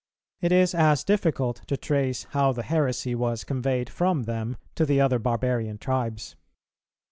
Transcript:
It is as difficult to trace how the heresy was conveyed from them to the other barbarian tribes.